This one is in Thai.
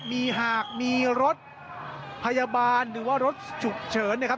มีหากมีรถพยาบาลหรือว่ารถฉุกเฉินนะครับ